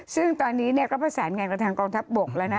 ซึ่งตอนนี้เนี่ยก็ผสานไงกับทางกองทัพบกแล้วนะ